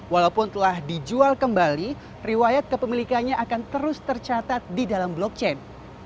walaupun telah dijual kembali riwayat kepemilikannya akan terus tercatat di dalam blockchain